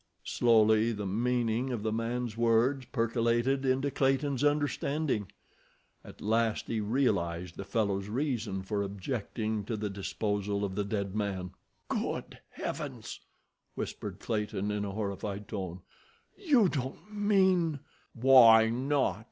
Slowly the meaning of the man's words percolated into Clayton's understanding. At last he realized the fellow's reason for objecting to the disposal of the dead man. "God!" whispered Clayton, in a horrified tone. "You don't mean—" "W'y not?"